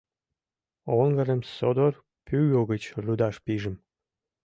Оҥгырым содор пӱгӧ гыч рудаш пижым.